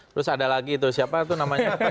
terus ada lagi itu siapa itu namanya